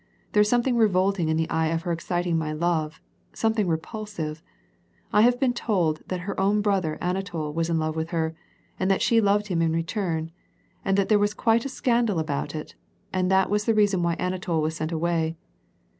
" There is something revolting in the idea of her exciting my love, — something repulsive. T have been told tliat her own brother Anatol was in love with her, and that she loved him in return ; that there was quite a scandal about it, and that was the reason why Anatol was sent away.